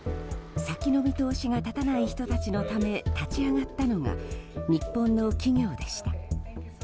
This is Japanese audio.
先の見通しが立たない人のため立ち上がったのが日本の企業でした。